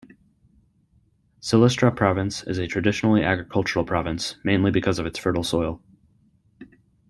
Silistra Province is a traditionally agricultural province, mainly because of its fertile soil.